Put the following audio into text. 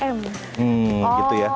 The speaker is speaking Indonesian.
hmm gitu ya